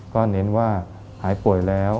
ก็เน้นว่าหายป่วยแล้ว